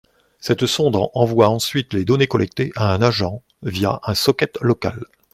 Cette sonde envoie ensuite les données collectées à un agent via un socket local.